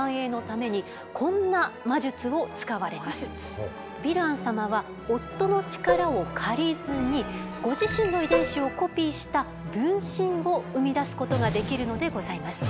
実はヴィラン様はヴィラン様は夫の力を借りずにご自身の遺伝子をコピーした分身を産み出すことができるのでございます。